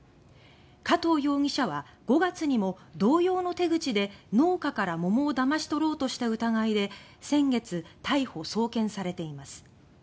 加藤容疑者は５月にも同様の手口で農家から桃をだまし取ろうとした疑いで先月、逮捕・送検されています。